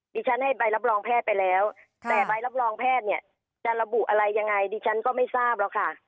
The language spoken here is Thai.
ฉันให้ใบรับรองแพทย์ไปแล้วแต่ใบรับรองแพทย์เนี่ยจะระบุอะไรยังไงดิฉันก็ไม่ทราบหรอกค่ะ